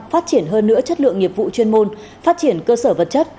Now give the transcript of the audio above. phát triển hơn nữa chất lượng nghiệp vụ chuyên môn phát triển cơ sở vật chất